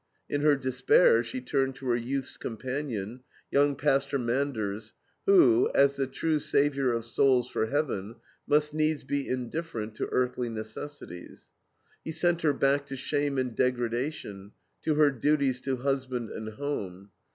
In her despair she turned to her youth's companion, young Pastor Manders who, as the true savior of souls for heaven, must needs be indifferent to earthly necessities. He sent her back to shame and degradation, to her duties to husband and home.